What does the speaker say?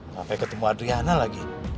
sampai ketemu adriana lagi